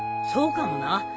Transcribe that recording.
そうかもな。